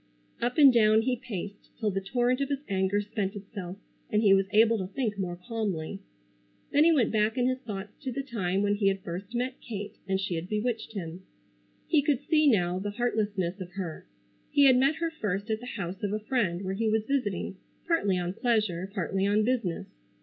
Up and down he paced till the torrent of his anger spent itself, and he was able to think more calmly. Then he went back in his thoughts to the time when he had first met Kate and she had bewitched him. He could see now the heartlessness of her. He had met her first at the house of a friend where he was visiting, partly on pleasure, partly on business.